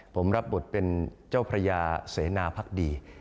ผมรับบทเป็นเจ้าพระยาเสนาพักดี